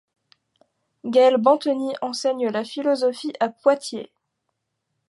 Gaëlle Bantegnie enseigne la philosophie à Poitiers.